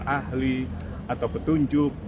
ahli atau ketunjuk